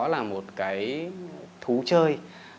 là một cái thú chơi